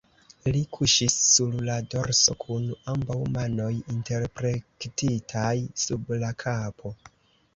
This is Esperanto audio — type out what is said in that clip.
Li kuŝis sur la dorso kun ambaŭ manoj interplektitaj sub la kapo.